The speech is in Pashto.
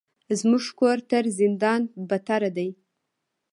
زموږ کور تر زندان بدتر ده.